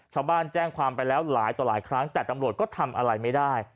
ชาวบ้านแจ้งความไปแล้วหลายต่อหลายครั้งแต่ตำรวจก็ทำอะไรไม่ได้